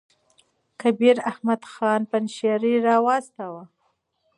کبیر احمد خان پنجشېري را واستاوه.